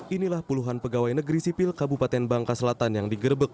inilah puluhan pegawai negeri sipil kabupaten bangka selatan yang digerebek